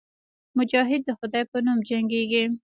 مجاهد د خدای په نوم جنګېږي.